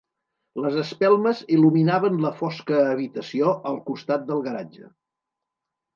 Les espelmes il·luminaven la fosca habitació al costat del garatge.